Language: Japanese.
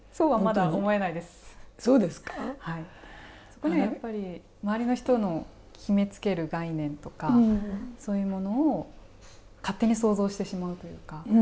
そこには、やっぱり周りの人の決めつける概念とかそういうものを勝手に想像してしまうというか。